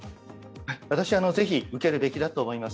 ぜひ受けるべきだと思います